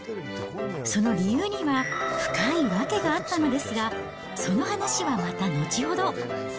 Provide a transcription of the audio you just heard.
その理由には、深い訳があったのですが、その話はまた後ほど。